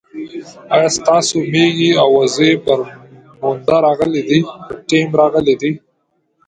ايا ستاسي ميږي او وزې پر مينده راغلې دي